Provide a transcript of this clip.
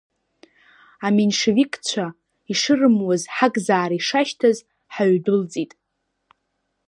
Аменшевикцәа ишырымуаз, ҳакзаара ишашьҭаз, ҳаҩдәылҵит.